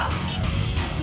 mereka bisa berdua